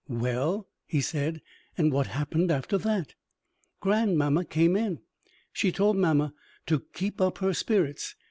"Well," he said, "and what happened after that?" "Grandmamma came in. She told mamma to keep up her spirits.